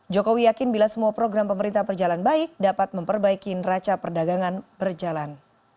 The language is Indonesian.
jokowi yakin bila semua program pemerintah berjalan baik dapat memperbaiki neraca perdagangan berjalan